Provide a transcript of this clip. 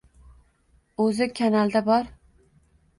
O‘zi kanalda bor.